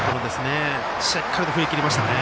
しっかりと振り切りましたね。